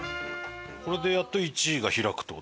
これでやっと１位が開くって事？